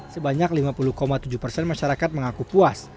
sebanyak lima puluh tujuh persen masyarakat mengaku puas